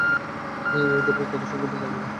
হেই, এই ধরণের কথা শুনলে আমার গা জ্বলে।